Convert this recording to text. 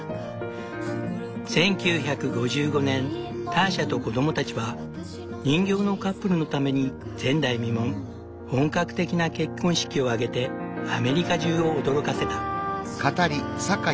１９５５年ターシャと子供たちは人形のカップルのために前代未聞本格的な結婚式を挙げてアメリカ中を驚かせた。